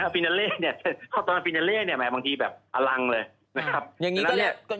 เนี้ยตอนเนี้ยแม้บางทีแบบอลังเลยนะครับอย่างงี้ก็แหละ